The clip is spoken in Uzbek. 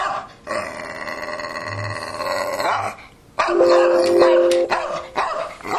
buzoqqa qarab.